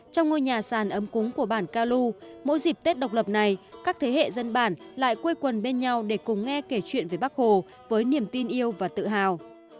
trong ngôi nhà sàn ấm cúng của bản ca lu mỗi dịp tết độc lập này các thế hệ dân bản lại quê quần bên nhau để cùng nghe kể chuyện về bắc hồ với niềm tin yêu và tự hào